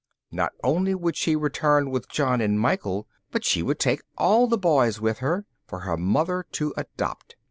Not only would she return with John and Michael, but she would take all the Boys with her, for her mother to adopt.